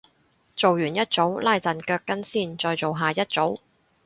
做完一組拉陣腳筋先再做下一組